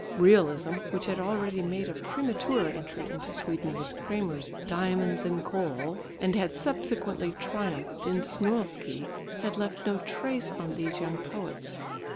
Realism, which had already made a premature entry into Sweden with Kraemer's Diamonds in Coal, and had subsequently triumphed in Snoilsky, had left no trace on these young poets.